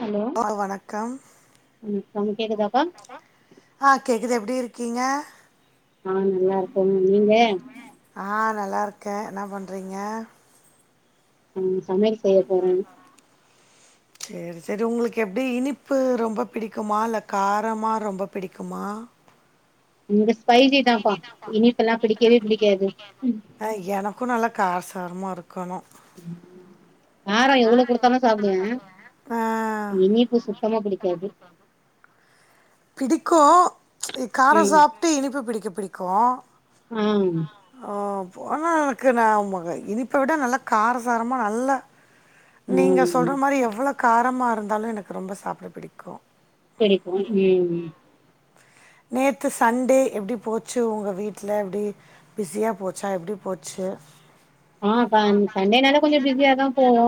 Hello ஆ வணக்கம் ம் சவுண்ட் கேக்குதாப்பா ஆ கேக்குது எப்டி இருக்கீங்க அ நல்லா இருக்கே நீங் நீங்க ஆ நல்லாருக்கே என்ன பண்றீங்க அ சமையல் செய்ய போறே சேரி சேரி உங்களுக்கு எப்டி இனிப்பு ரொம்ப பிடிக்குமா இல்ல காரமா ரொம்ப பிடிக்குமா இங்க ஸ்பைசி தாப்பா இனிப்பெல்லா பிடிக்கவே பிடிக்காது அ எனக்கு நல்லா கார சாரமா இருக்கனு காரோ எவ்ளோ குடுத்தாலு சாப்டுவே ஆ இனிப்பு சுத் த்தமா புடிக்காது பிடிக்கு இ கார ம் சாப்ட்டு இனிப்பு பிடிக்க பிடிக்கு அம் ஆ போனா எனக்கு நா மக இனிப்ப விட நல்லா காரசாரமா நல்லா நீங்க ம் சொல்ற மாரி எவ்ளோ காரமா இருந்தாலு எனக்கு ரொம்ப சாப்ட பிடிக்கு பிடிக்கு ம் நேத்து சண்டே எப்டி போச்சு உங்க வீட்ல எப்டி பிஸியா போச்சா எப்டி போச்சு அ சண் சண்டேனாலே கொஞ்ச பிஸியாதா போவு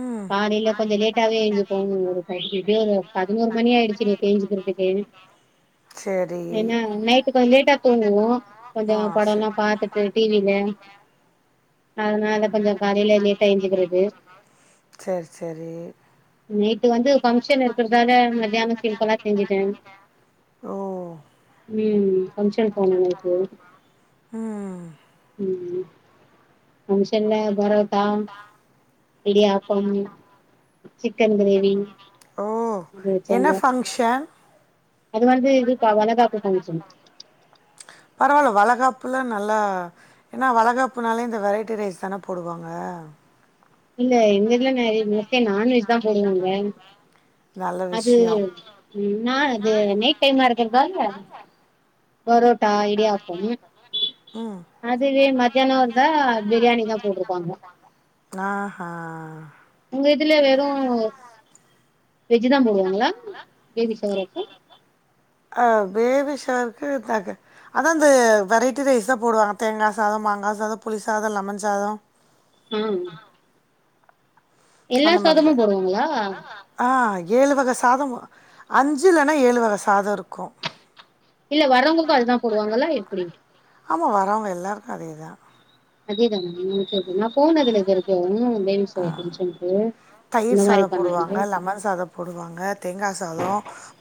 ம் காலைல கொஞ்ச லேட்டாவே எழ்ஞ்சு போணு ஒரு [unintelligible] ஒரு பதினோரு மணி ஆயிடுச்சி இன்னக்கி எஞ்சிக்கிறத்துக்கே சரி ஏனா நைட்டு் கொஞ்ச லேட்டா தூங்குவோ கொஞ்ச ஆ சரி படோல்லா பாத்துட்டு டி வி ல அதனால கொஞ்ச காலைல லேட்டா எஞ்சிக்கிறது சரி சரி நைட்டு வந்து ஃபங்க்ஷன் இருக்கிறதால மத்தியானோ சிம்பிளா செஞ்சுட்டே ஓ ம் ஃபங்க்ஷன் போனோ நைட்டு ம் ம் ஃபங்க்ஷன்ல பரோட்டா இடியாப்பம் சிக்கன் கிரேவி ஓ அது என்ன வச்சாங்க ஃபங்க்ஷன் அது வந்து இதுப்பா வளக்காப்பு ஃபங்க்ஷன் பரவால்ல வளகாப்புல நல்லா ஏனா வளகாப்புனாலே இந்த வெரைட்டி ரைஸ் தான போடுவாங்க இல்ல எங்க இதுல நெறைய மோஸ்ட்லி நான்வெஜ் தா போடுவாங்க நல்ல அது விஷயம் ம் நா இது நைட் டைமா இருக்கறதால பரோட் டா இடியாப்பம் ம் அதுவே மத்தியானோ இருந்தா பிரியாணி தா போட்ருப்பாங்க நா ஹா உங்க இதுல வெறு வெஜ்ஜுதா போடுவாங்களா பேபி ஷவருக்கு ஆ பேபி ஷவருக்கு தாங்க அதா அந்த வெரைட்டி ரைஸ் தா போடுவாங்க தேங்கா சாத மாங்கா சாதம புளி சாத லெமன் சாத ம் எல்லா அந்த மாதிரி சாதமு தான். போடுவாங்களா ஆ ஏழு வக சாதோ அஞ்சு இல்லன்னா ஏழு வக சாதோ இருக்கு இல்ல வர்றவங்களுக்கு அதுதா போடுவாங்கலா எப்டி ஆமா வரவங்க எல்லாருக்கு அதேதா அதேதா [unintelligible] போனதில்ல இதுவரைக்கு பேபி ஷோவர் பங்கஷனுக்கு இந்த தயிர் மாரி சாதம் பண்ணாங்க போடுவாங்க லெமன் சாதோ போடுவாங்க தேங்கா சாதோ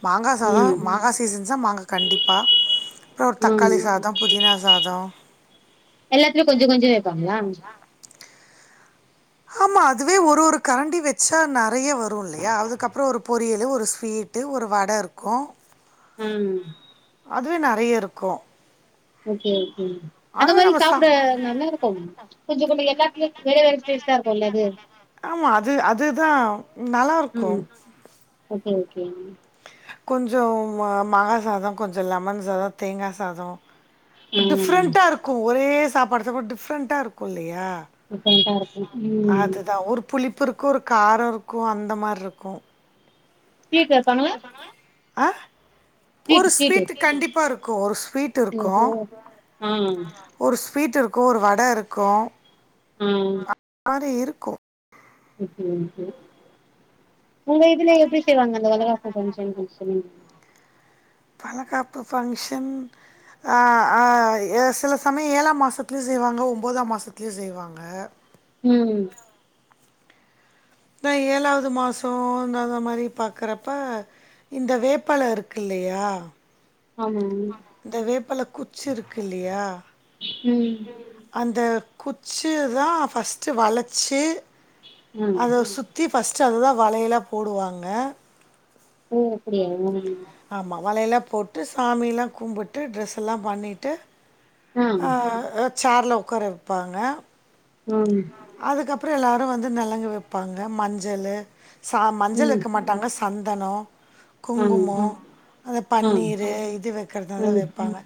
மங்கா சாதோ ம் மங்கா சா சீசன்ஸா மாங்கா கண்டிப்பா அப்றோ ஒரு ம் தக்காளி சாதோ புதினா சாதோ எல்லாத்துலயு கொஞ்சோ கொஞ்சோ வெப்பாங்க ஆமா அதுவே ஒரு ஒரு கரண்டி வெச்சா நெறய வரு இல்லயா அதுக்கப்றோ ஒரு பொரியலு ஒரு ஸ்வீட் டு ஒரு வட இருக்கு ம் அதுவே நெறய இருக்கு ஓகே ஓகே அத மாரி நம்ம சா சாப்ட நல்லா இருக்கு கொஞ்ச கொஞ்ச எல்லாத்து வேற வேற டேஸ்ட் இருக்குல்ல அது ஆமா அது அதுதா நல்லா இருக்கு ம் ஓகே ஓகே கொஞ்சோ மாங்கா சாதோ கொஞ்சோ லெமன் சாதோ தேங்கா சாதோ ம் டிஃப்ரெண்டா இருக்கு ஒரே சாப்பாடு சாப்ட டிஃப்ரெண்ட்டா இருக்கு இல்லயா டிஃப்ரெண்டா இருக்கு ம் அதுதா ஒரு புளிப்பு இருக்கு ஒரு காரோ இருக்கு அந்த மாரி இருக்கு ஸ்வீட் வெப்பாங்களா ஆ ஒரு ஸ்வீட்டு ஸ்வீட் கண்டிப்பா இருக்கு ஒரு ஸ்வீட் இருக்கு ஓ ஆ ஒரு ஸ்வீட் இருக்கு ஒரு வட இருக்கு ம் மாரி இருக்கு உங்க இதுல எப்டி செய்வாங்க அந்த வளாகாப்பு ஃபங்ஷன் கொஞ்சோ சொல்லுங்க வளகாப்பு ஃபங்க்ஷன் ஆ ஆ ஏ சில சமயோ ஏழா மாசத்துலயு செய்வாங்க ஒன்போதாம் மாசத்துலயு செய்வா வாங்க ம் தா ஏழாவது மாசோ இந்தாத மாரி பாக்கறப்ப இந்த வேப்பாள இருக்கில்லயா ஆமா இந்த வேப்பல குச்சி இருக்கு இல்லயா ம் அந்த குச்சி தா ஃபஸ்ட்டு வளச்சி ஆ அத சு த்தி ஃபஸ்ட்டு அதுதா வளையலா போடுவாங்க ஓ அப்டியா ஆமா வளையலா போட்டு சாமியில்லா கும்பிட்டு டிரெஸ் எல்லா பண்ணிட்டு ஆ சேர்ல் உக்கார வெப்பாங்க ஆ அதுக்கப்றோ எல்லாரு வந்து நலங்கு வெப்பாங்க மஞ்சளு ச மஞ்சள் ம் வெக்க மாட் டாங்க சந்தனோ ஆ குங்குமோ அந்த ஆ பன்னீரு இது வெக்கிறதாந்தா ம் வெப்பாங்க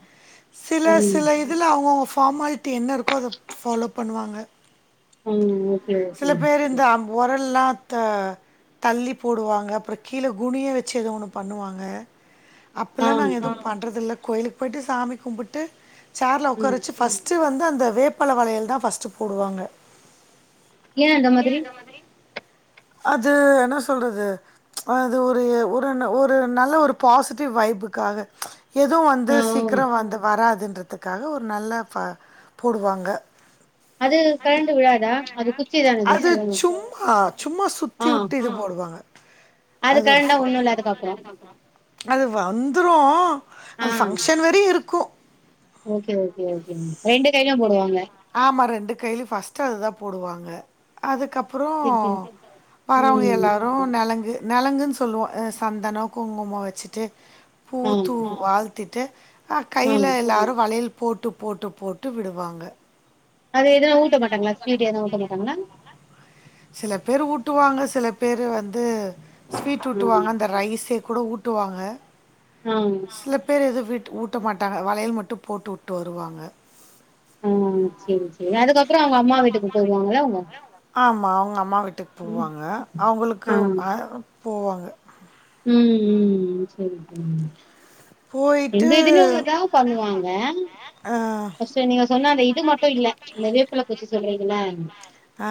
சில ம் சில இதுல அவுங்கவுங்க ஃபார்மாலிட்டி என்ன இருக்கோ அத ஃபாலோ பண்ணுவாங்க ம் ஓகே சில ஓகே பேரு இந்த அம் ஒரல்லா த தள்ளி போடுவாங்க அப்றோ கீழ குனிய வச்சு எதோ ஒன்னு பண்ணுவாங்க அப்புல்லா ஆ நாங்க எதுவு பண்றதுல்ல கோயிலுக்கு போயிட்டு சாமி கும்புட்டு சேர்ல ம் ஒக்காரவச்சு ஃபஸ்ட் டு வந்து அந்த வேப்பல வளையல்தா ஃபஸ்ட்டு போடுவாங்க ஏன் அந்த மாதிரி அது என்னா சொல்றது அது ஒரு ஒரு ஒரு நல்ல ஒரு பாசிட்டிவ் வைபுக்காக எதும் வந்து ஆ ஓ! சீக்கிரோ வந்து வராதுன்றதுக்காக ஒரு நல்ல ப போடுவாங்க அது கழண்டு விலாதா அது குச்சிதான அது ஜஸ்ட்டு சும்மா சும்மா அ சுத்தி உட்டு இது போடுவாங்க. அது ஒரு கழண்டா ஃப ஒண்ணுல்ல அதுக்கப்றோ அது வந்துரு ஆ அது ஃபங்க்ஷன் வரையு இருக்கு ஓகே ஓகே ஓகேங் ரெண்டு கைலயு போடுவாங்க ஆமா ரெண்டு கைலயு ஃபஸ்ட்டு அதுதா போடுவாங்க அதுக்கப்பறோ சரி சரி வரவுங்க ம் எல்லாரு நலங்கு நலங்குன் சொல்லுவோ அ சந்தன குங்குமோ வச்சுட்டு பூ ஆ தூவு வாழ்த் திட்டு அ ஆ கைல எல்லாரு வளையல் போட்டு போட்டு போட்டு விடுவாங்க அது எதோ ஊட்ட மாட்டாங்ளா ஸ்வீட்டு எது ஊட்ட மாட்டாங்ளா சில பேரு ஊட்டுவாங்க சில பேரு வந்து ஸ்வீட் ஆ ஊட்டுவாங்க அந்த ரைஸே கூட ஊட்டுவாங்க ம் சில பேரு எது வீட் ஊட்ட மாட்டாங்க வளையல் மட்டு போட்டு உட்டு வருவாங்க அ சேரி சேரி அதுக்கப்பற அவுங்க அம்மா வீட்டுக்கு போய்டுவாங்கல்ல அவுங்க ஆமா அவுங்க அம்மா வீட்டுக்கு போவாங்க அவுங்குளுக்கு ஆ அ போவாங்க ம் ம் ம் சேரிங்க செரிங்க எங்க போயிட்டு இதுலயு அதா பண்ணுவாங்க அ ஃபஸ்ட்டு நீங்க சொன்ன அந்த இது மட்டு இல்ல அந்த வேப்பல குச்சி சொல்றீங்கள்ள ஆ ஆ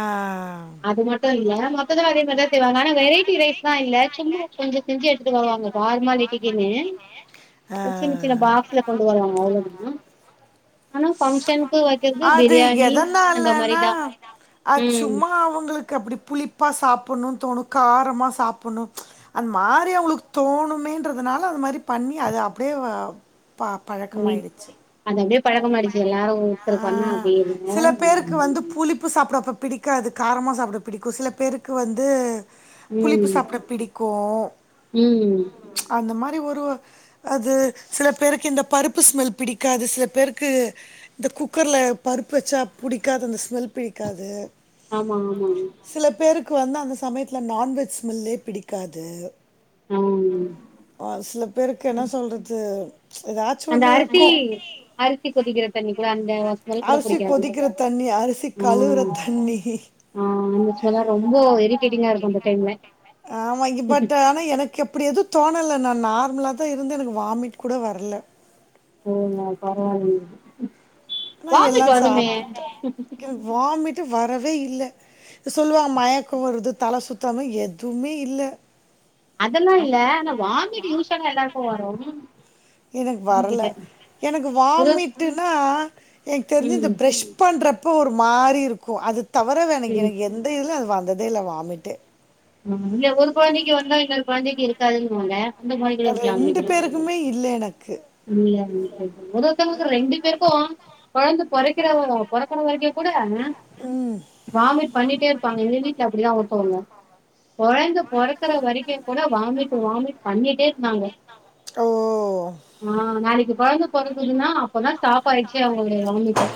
ஆ அது மட்டு இல்ல மத்ததா அதே மாரிதா செய்வாங்க ஆனா வெரைட்டி ரைஸ் லா இல்ல சும்மா கொஞ்ச செஞ்சி எடுத்துட்டு வருவாங்க ஃபார்மாலிட்டிக்கினு அ சின்னச் சின்ன பாக் ஸ்ல கொண்டு வருவாங்க அவ்ளோதா ஆனா ஃபங்க்ஷனுக்கு வைக்கிறது அது பிரியாணி அந்த எதனாலனா மாரிதா ம் அச்சும்மா அவுங்குளுக் கு அப்புடி புளிப்பா சாப்புன்னுன் தோணு காரமா சாப்புன்னு அந் மாரி அவுங்குளுக்கு தோணுமேன்றதுனால அது மாரி பண்ணி அத அப்டியே ப புரியுது பழக்கமாயிடுச்சு அது அப்டியே பழக்கமாயிடிச்சு எல்லாரு ஆ ஒருத்தருப்பன்னா அப்டியேல ம் உப்பு சாப்புட அப்ப பிடிக்காது காரமா சாப்புட பிடிக்கு சில பேருக்கு வந்து புளிப்பு ம் சாப்புட பிடிக்கு ம் அந்த மாரி ஒரு அது சிலப்பேருக்கு இந்த பருப்பு ஸ்மெல் பிடிக்காது சிலப்பேருக்கு இந்த குக்கர்ல் பருப்பு வச்சா புடிக்காது அந்த ஸ்மெல் பிடிக்காது ஆமா ஆமாங் சிலப்பேருக்கு வந்து அந்த சமயத்துல நான்வெஜ் ஸ்மெல்லே பிடிக்காது ஆ அ சில பேருக்கு என்ன சொல்றது ஏதாச்சும் அந்த ஒண்ணு அரிசி இருக்கும் அரிசி கொதிக்கிற தண்ணி கூட அந்த வச அரிசி கொதிக்கிற தண்ணி அரிசி கழுவுற தண்ணி அ அந்த ஸ்மெல்லா ரொம்ப இரிட்டேட்டிங்கா இருக்கூ அந்த டைம்ல ஆமாங்க பட் ஆனா எனக்கு அப்டி எது தோணல நா நார்மலதா இருந்த எனக்கு வாமிட் கூட வர்ல ஆனா வாமிட் எல்லாம் வருமே சாப்பிட்டேன். எனக்கு வாமிட்டு வரவே இல்ல சொல்லுவா மயக்கோ வருது தல சுத்து அது எதுவுமே இல்ல அதெல்லா இல்ல ஆனா வாமிட் யூஷ்வலா எல்லாருக்கு வரு எனக்கு என்ன வர்ல கேட்ட எனக்கு ஒரு வாமிட்டுன்னா எனக்கு தெரிஞ்சு இந்த ம் ப்ரெஷ் பண்றப்போ ஒரு மாரி இருக்கு அது தவர வேற எனக் சரி எனக்கு எந்த இதிலு அது வந்ததே இல்ல வாமிட்டே ம் இல்ல ஒரு கொழந்தைக்கு வந்தா இன்னொரு கொழந்தைக்கு இருக்காதுன்னுவாங்க அந்த மாரி கூட இருக்கலா ரெண்டு நெனைக்கிறே பேருக்குமே இல்ல எனக்கு ஒரு ஒருத்தங்ளுக்கு ரெண்டு பேருக்கு கொழந்த பொறக்கற பொறக்குற வரைக்கு கூட ம். வாமிட் பண்ணிட்டே இருப்பாங்க எங்க வீட்ல அப்டிதா ஒருத்தவங்க கொழந்த பொறக்குற வரைக்கு கூட வாமிட் வாமிட் பண்ணிட்டே இருந்தாங்க ஓ அ நாளைக்கு கொழந்த பொறக்குதுன்னா அப்பதா ஸ்டாப் ஆய்ச்சே அவுங்களுடைய வாமிட்டே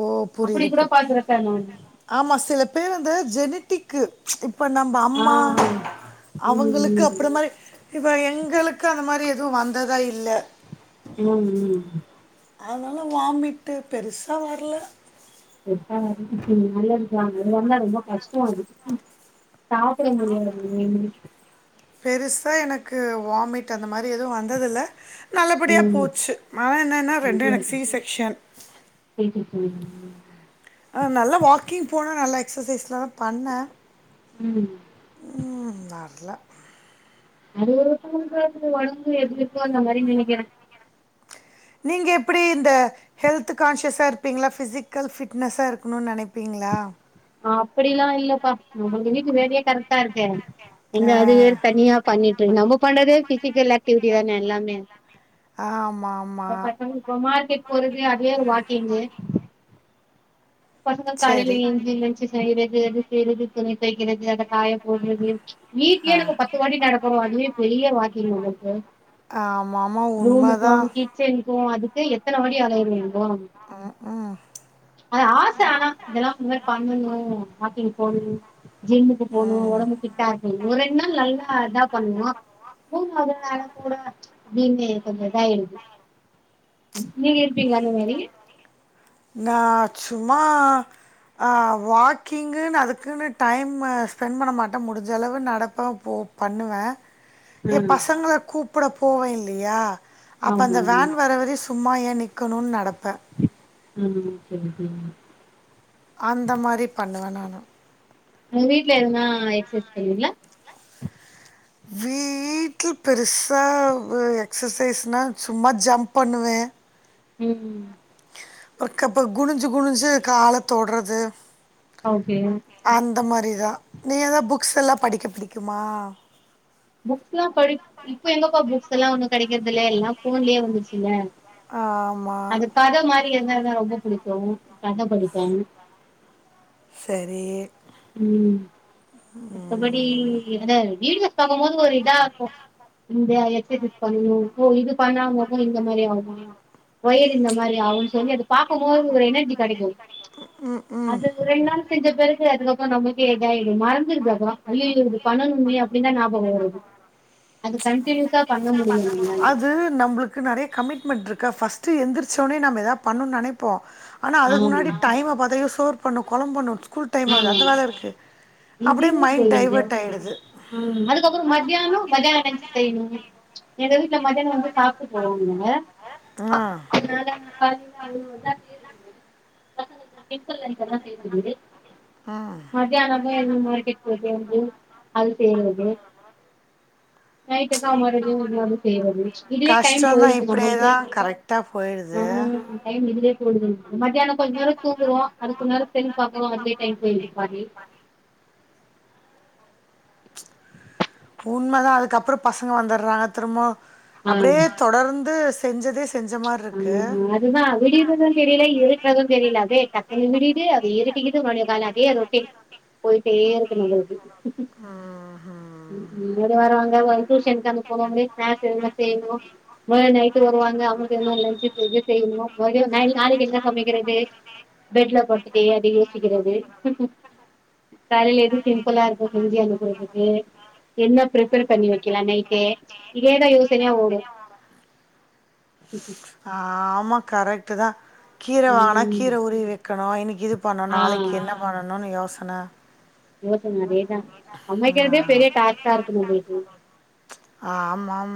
ஓ! அப்டி புரியுது கூட புரி பாத்துறுக்கே நானு ஆமா சில பேர் அந்த ஜெனிட்டிக்கு இப்ப நம்ப அம்மா ஆஹ் அவுங்களுக்கு உம் அப்றோ மாரி இப்ப எங்களுக்கு அந்த மாரி எதுவு வந்ததா இல்ல ம் ம் அனாலு வாமிட்டு பெருசா வர்ல எப்பா அ நல்லதுதா அது வந்தா ரொம்ப கஷ்டோ அது சாப்டமுடியாது மென்னு பெருசா எனக்கு வாமிட் அந்த மாரி எதுவு வந்ததில்ல நல்லபடியா உம் போச்சு ஆனா என்னன்னா ரெண்டு எனக்கு சி செக்க்ஷன் கேட்டுச்சா நல்லா வாக்கிங் போனோ நல்லா எக்ஸசைஸ்லா பண்ண ம் ம் வர்ல அது ஒவ்வொருத்தங்க ஒடம்பு எப்டி இருக்கோ அந்த மாரி நெனைக்கிற நீங்க எப்டி இந்த ஹெல்த் கான்ஷியஷா இருப்பீங்ளா ஃபிசிக்கல் ஃபிட்னஸா இருக்கணுனு நெனைப் பீங்ளா அப்டிலா இல்லப்பா நம்மளுக்கு வீட்டு வேலையே கரெக்ட்டா இருக்கே எங்க அது வேற ஆ தனியா பண்ணிட்டு நம்ம பண்றதே பிசிக்கல் ஆக்டிவிட்டி தானே எல்லாமே ஆமா ஆமா [unintelligible] மார்க்கேட் பொறுமையா அதே வாக்கிங்கு பசங்க காலையில சரி எஞ்சி லஞ்ச்சு செய்றது அது செய்றது துணி தொவைக்றது அத காய போட்றது வீட்டுலியே ஆ எனக் பத்து வாட்டி நடக்குறோ அதுவே பெரிய வாக்கிங் நம்பள்க்கு ஆமாமா ரூம்க்கு உண்மைதான் கிச் சன்க்கு அதுக்கே எத்தன வாட்டி அலையுறோ தெரிமா ஆ ஆம் அது ஆச ஆனா இதெல்லா அந்த மாரி பண்ணணு வாக்கிங் போணு ஜிம்முக்கு போணு ஒடம்பு ஃபிட்டா இருக்குணு ஒரு ரெண்டு நாள் நல்லா இதா பண்ணுவோ [inaudible] அதுனால கூட [inaudible] கொஞ்ச இதாய்டுது நீங்க இருப்பீங்ளா அந்த மாரி நா சும்மா அ வாக்கிங்குன்னு அதுக்குன்னு டைமு ஸ்பெண்ட் பண்ண மாட்டே முடிஞ்சளவு நடப்பே போ பண்ணுவே ஏ ஆ பசங்கள கூப்புட போவே இல்லியா அப்ப ஆமா அந்த வேன் வர வரையு சும்மா ஏ நிக்கணுன் நடப்பே ம் செரிங்க செரிங்க அந்த மாரி பண்ணுவே நானு உங்க வீட்ல எதுனா எக்சைஸ் பண்ணுவீங்ளா வீட்டில் பெருசா அ எக்ஸசைஸ்னா சும்மா ஜம்ப் பண்ணுவே ம் ஒர்க் அப்பு குனுஞ்சு குனுஞ்சு கால தொட்றது ஓகே அந்த மாரிதா நீங்க எதா புக்ஸ் எல்லா படிக்க பிடிக்குமா புக்ஸ்லா படிப் இப்ப எங்கப்பா புக்ஸ் எல்லா ஒன்னு கெடைக்கற்தில்ல எல்லா ஃபோன்லே வந்துர்ச்சில்யா ஆமா கத மாரி இருந்தா தா ரொம்ப புடிக்கு கத படிப்பே செரி ம் ம் மத்த படி எதனா வீடியோஸ் பாக்கும்போது ஒரு இதா இருக்கு இந்த எக்ஸசைஸ் பண்ணனு ஓ இது பண்ணா மொகோ இந்த மாரி ஆகுமா வயிறு இந்த மாரி ஆகுன் சொல்லி அது பாக்கம்போது ஒரு எனர்ஜி கெடைக்கு ம் ம் அது ஒரு ரெண்டு நாள் செஞ்ச பெறகு அதுக்கப் றோ நம்ளுக்கே இதாய்டு மறந்துருது அதுவா ஐயயோ இது பண்ணனுமே அப்டின்தா ஞாபகோ வருது அது கண்ட்டினியூஸா அது நம்பளுக்கு நெறயா கமிட்மெண்ட்ருக்கா ஃபஸ்ட்டு எந்திரிச்சோன்னே நம்ம எதா பண்ணுன் நெனைப்போ ஆனா அதுக் ஆமா முன்னாடி டைம பாத்தீங்கனா சோர் பண்ணு கொழம் பண்ணு ஸ்கூல்க் டைம் ஆகுது ஆமா அந்த வேல இருக்கு அப்டியே மைண்ட் டைவட் ஆய்டுது ம் அதுக்கப்றோ மத்யானோ மத்யானோ லன்ச் செய்ணுமே எந்த வீட்ல மத்யானோ வந்து சாப்ட்டு போவாங்க இவுங்க ஆ அதனால நா காலைல அவ்ளோ இதா செய்யற்தில்ல பசங்கள்க்கு வந்து டிஃபன், லன்ச் எல்லா செய்றதுண்டு ஆ மத்யானோ போய் மார்க்கெட் போய்ட்டு வந்து அது செய்றது நைட்டுக்கா மறுபடியு இது மாரி செய்றது இதுலே டைம் கஷ்டந்தா போய்ருது நம்மள்க்கு இப்டியேதா கரெக்டா ஆ போயிடுது டைம் இதுலே போய்ருது மத்யானோ கொஞ் நேரோ தூங்குறோ அதுக் கொஞ் நேர செல் பாக்குறோ அதுலே டைம் போய்ருது பாதி உண்ம தா அதுக்கப்றோ பசங்க வந்தட்றாங்க திரும்போ ஆ அப்டியே தொடர்ந்து செஞ்சதே செஞ்ச மார் ம் ம் அத் அதுதா விடியறது தெரியில இருட்றது தெரியில அதே டக்குனு விடியிது அது இருட்டிகிட்டு மறுபடி கால்ல அதே ரொட்டீன் போய்ட்டே இருக்கு நம்மள்க்கு ம்ஹும். ம் [inaudible] வருவாங் நாங்க அவுட்டேஷ [unintelligible] ஸ்னாக்ஸ் எதுனா செய்ணு [unintelligible] நைட்டு வருவாங்க என்ன லஞ்சு செஞ்ச செய்ணு [unintelligible] நாளைக்கு என்ன சமைக்றது பெட்ல படுத்ட்டே ஏதயோ யோசிக்கிறது காலையில எதுவு சிம்பிளா இருக்கு செஞ்சி அனுப்றதுக்கு என்ன ப்ரிப்பர் பண்ணி வைக்கலா நைட்டு இதேதா யோசனையா ஓடு ஆமா கரெக்ட்டு தா கீர வாங்குனா ம் கீர உருவி வைக்கணு இன்னைக்கு இது பண்ண ஆ நாளைக்கு என்ன பண்ணணும்னு யோசன யோசன அதேதா சமக்றதே பெரிய டாஸ்கா இருக்கு நம்ளுக்கு ஆமா ஆம்